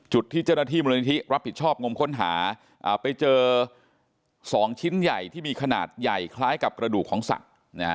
จุดที่เจ้าหน้าที่มูลนิธิรับผิดชอบงมค้นหาไปเจอ๒ชิ้นใหญ่ที่มีขนาดใหญ่คล้ายกับกระดูกของสัตว์